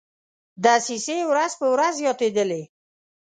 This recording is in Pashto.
دسیسې ورځ په ورځ زیاتېدلې.